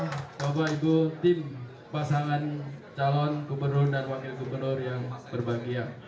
bapak ibu tim pasangan calon gubernur dan wakil gubernur yang berbahagia